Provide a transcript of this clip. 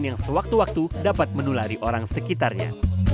yang sewaktu waktu dapat menulari orang sekitarnya